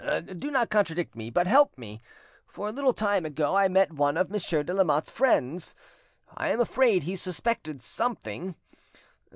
Do not contradict me, but help me; for a little time ago I met one of Monsieur de Lamotte's friends, I am afraid he suspected something.